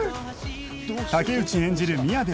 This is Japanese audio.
竹内演じる宮部